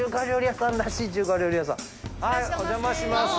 お邪魔します。